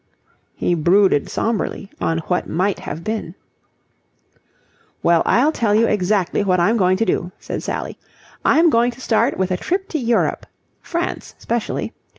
He brooded sombrely on what might have been. "Well, I'll tell you exactly what I'm going to do," said Sally. "I'm going to start with a trip to Europe... France, specially.